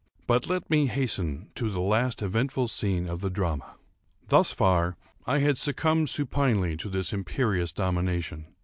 —But let me hasten to the last eventful scene of the drama. Thus far I had succumbed supinely to this imperious domination.